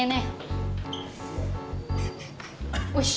wah kayaknya enak tuh